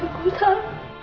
tante yang sabar